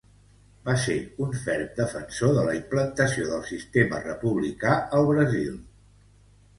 Va ser un ferm defensor de la implantació del sistema republicà al Brasil.